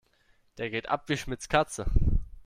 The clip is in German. Der geht ab wie Schmitz' Katze.